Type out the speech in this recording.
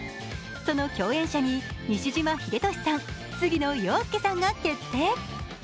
その共演者に西島秀俊さん、杉野遥亮さんが決定。